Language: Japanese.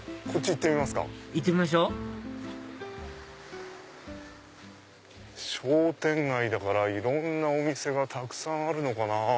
行ってみましょ商店街だからいろんなお店がたくさんあるのかなぁ。